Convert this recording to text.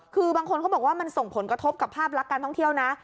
คือบางคนเขาบอกว่ามันส่งผลกระทบกับภาพลักษณ์การท่องเที่ยวนะ